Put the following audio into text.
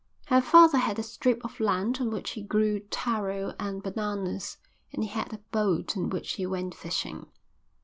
Her father had a strip of land on which he grew taro and bananas and he had a boat in which he went fishing.